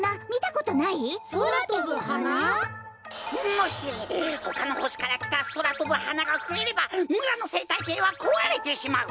もしほかのほしからきたそらとぶはながふえればむらのせいたいけいはこわれてしまう。